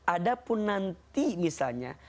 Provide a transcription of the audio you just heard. ada pun nanti misalnya